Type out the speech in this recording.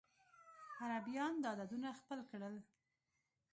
عربيان دا عددونه خپل کړل.